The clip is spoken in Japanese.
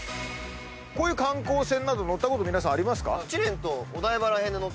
こういう観光船など乗ったこと皆さんありますか？